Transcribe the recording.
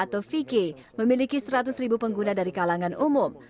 atau vk memiliki seratus ribu pengguna dari kalangan umum